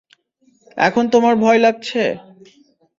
এখন তোমার ভয় লাগছে।